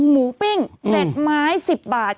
ปิ้ง๗ไม้๑๐บาท